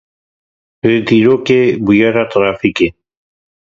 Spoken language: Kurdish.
Li Dîlokê bûyera trafîkê.